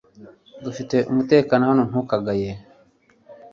Dufite umutekano hano ntukagaye